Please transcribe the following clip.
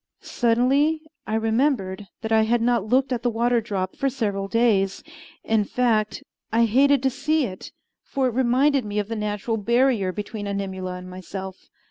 Suddenly I remembered that I had not looked at the water drop for several days. In fact, I hated to see it; for it reminded me of the natural barrier between Animula and myself.